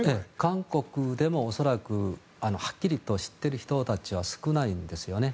韓国でも恐らくはっきりと知っている人たちは少ないんですよね。